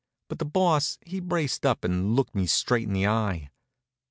But the Boss he braced up and looked me straight in the eye.